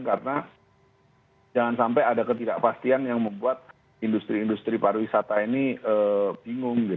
karena jangan sampai ada ketidakpastian yang membuat industri industri pariwisata ini bingung